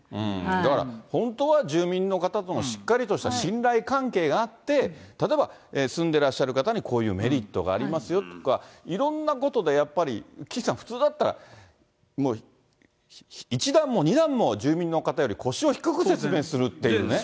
だから、本当は住民の方とのしっかりとした信頼関係があって、例えば、住んでいらっしゃる方にこういうメリットがありますよとか、いろんなことでやっぱり岸さん、普通だったら、もう一段も二段も、住民の方より腰を低く説明するっていうね。